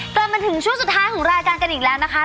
กลับมาถึงช่วงสุดท้ายของรายการกันอีกแล้วนะคะ